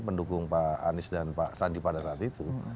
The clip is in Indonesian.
pendukung pak anies dan pak sandi pada saat itu